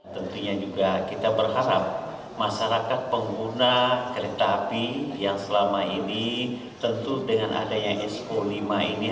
tentunya juga kita berharap masyarakat pengguna kereta api yang selama ini tentu dengan adanya so lima ini